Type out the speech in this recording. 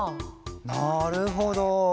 なるほど。